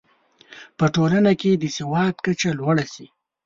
په ټولنه کې د سواد کچه لوړه شي.